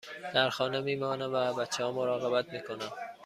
در خانه می مانم و از بچه ها مراقبت می کنم.